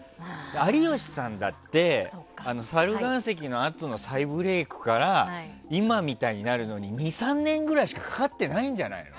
有吉さんだって猿岩石のあとの再ブレークから今みたいになるのに２３年ぐらいしかかかってないんじゃないの。